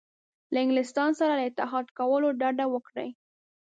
له انګلستان سره له اتحاد کولو ډډه وکړي.